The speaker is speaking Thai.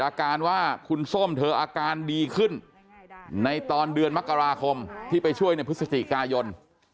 อาการว่าคุณส้มเธออาการดีขึ้นในตอนเดือนมกราคมที่ไปช่วยในพฤศจิกายน